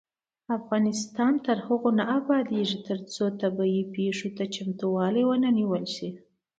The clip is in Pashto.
افغانستان تر هغو نه ابادیږي، ترڅو د طبيعي پیښو چمتووالی ونه نیول شي.